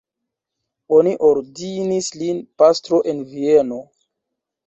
Oni ordinis lin pastro en Vieno.